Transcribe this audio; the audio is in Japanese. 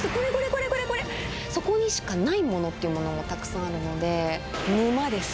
そこにしかないものっていうものもたくさんあるので沼です